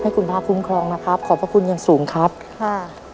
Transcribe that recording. คุณพ่อคุ้มครองนะครับขอบพระคุณอย่างสูงครับค่ะ